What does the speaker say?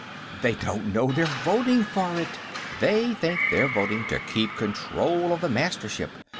"They don't know they're voting for it. They'll think they're voting to keep control of the Mastership.